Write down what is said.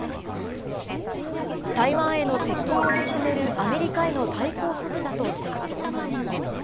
台湾への接近を進めるアメリカへの対抗措置だとしています。